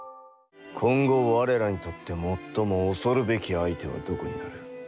今後我らにとって最も恐るべき相手はどこになる？